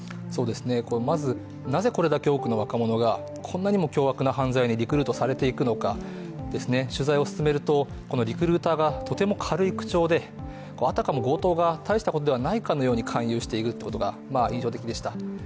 まず、なぜこれだけ多くの若者がこんなにも凶悪な犯罪にリクルートされていくのか、取材を進めるとリクルーターがとても軽い口調であたかも強盗がたいしたことではないかのように勧誘していくことが印象的でした。